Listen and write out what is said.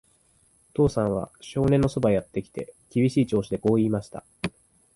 お父さんは少年のそばへやってきて、厳しい調子でこう言いました。